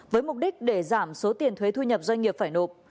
với mục đích để giảm số tiền thuế thu nhập doanh nghiệp phải nộp